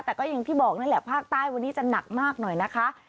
แต่ก็อย่างที่บอกนั่นแหละภาคใต้วันนี้จะหนักมากหน่อยนะคะ